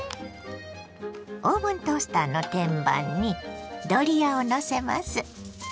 オーブントースターの天板にドリアをのせます。